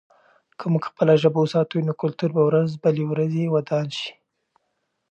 که موږ خپله ژبه وساتو، نو کلتور به ورځ بلې ورځې ودان شي.